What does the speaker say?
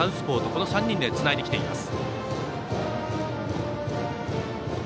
この３人でつないできています。